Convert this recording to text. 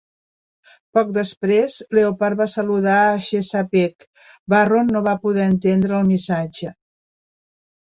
Poc després, "Leopard" va saludar a "Chesapeake"; Barron no va poder entendre el missatge.